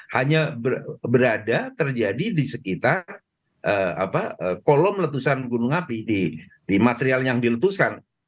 hanya berada terjadi di sekitar kolom letusan gunung api di material yang diletuskan